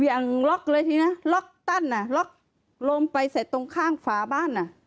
อย่างล็อกเลยทีนะล็อกตั้นอ่ะล็อกลมไปเสร็จตรงข้างฝาบ้านอ่ะ